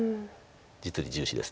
実利重視です。